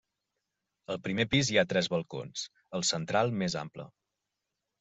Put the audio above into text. Al primer pis hi ha tres balcons, el central més ample.